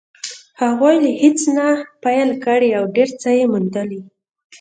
هغوی له هېڅ نه پيل کړی او ډېر څه يې موندلي.